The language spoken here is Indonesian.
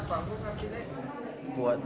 soalnya bangunan sini